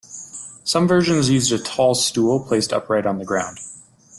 Some versions used a tall stool placed upright on the ground.